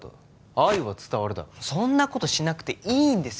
愛は伝わるだろそんなことしなくていいんですよ